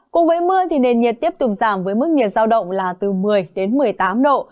cùng với mưa thì nền nhiệt tiếp tục giảm với mức nhiệt giao động là từ một mươi đến một mươi tám độ